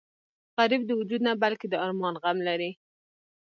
غریب د وجود نه بلکې د ارمان غم لري